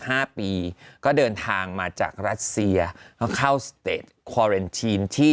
ห้าปีก็เดินทางมาจากรัสเซียเขาเข้าสเตจคอเรนทีนที่